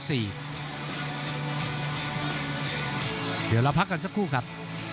เดี๋ยวเราพักกันสักครู่ครับ